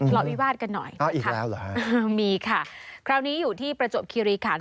รอวิวาสกันหน่อยนะคะมีค่ะคราวนี้อยู่ที่ประจบคีรีขันฯ